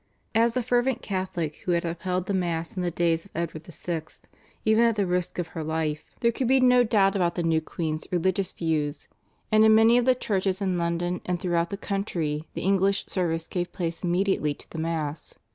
As a fervent Catholic, who had upheld the Mass in the days of Edward VI. even at the risk of her life, there could be no doubt about the new queen's religious views, and in many of the churches in London and throughout the country the English service gave place immediately to the Mass.